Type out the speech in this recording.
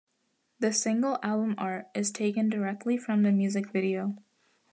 The single album art is taken directly from the music video.